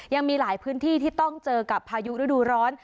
ยังมีหลายพื้นที่ที่ต้องเจอกับพายุฤดูร้อน